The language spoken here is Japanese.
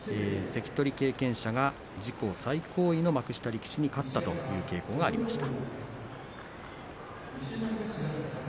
関取経験者が自己最高位の幕下力士に勝ったという傾向がありました。